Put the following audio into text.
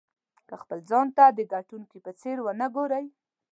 که خپل ځان ته د ګټونکي په څېر ونه ګورئ.